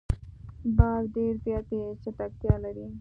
باز ډېر زیاتې چټکتیا لري